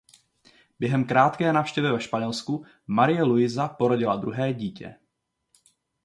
Během krátké návštěvy ve Španělsku Marie Luisa porodila druhé dítě.